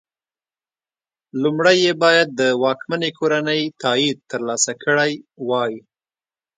لومړی یې باید د واکمنې کورنۍ تایید ترلاسه کړی وای.